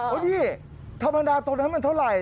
นี่ธรรมดาตัวนั้นมันเท่าไหร่